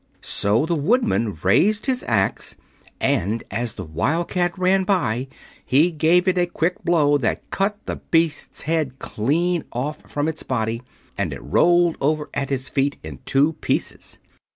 So the Woodman raised his axe, and as the Wildcat ran by he gave it a quick blow that cut the beast's head clean off from its body, and it rolled over at his feet in two pieces.